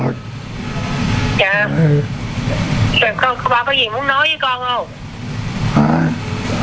ba có gì muốn nói với con không